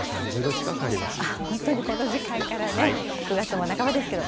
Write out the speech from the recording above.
本当にこの時間からね、９月も半ばですけど。